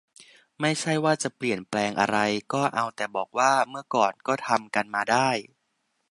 ไม่ใช่ว่าจะเปลี่ยนแปลงอะไร ก็เอาแต่บอกว่า เมื่อก่อนก็ทำกันมาได้